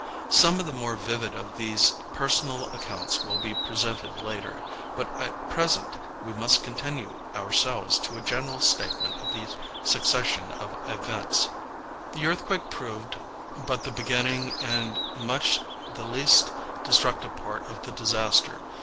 Some of the more vivid of these personal accounts will be presented later, but at present we must confine ourselves to a general statement of the succession of events. The earthquake proved but the beginning and much the least destructive part of the disaster.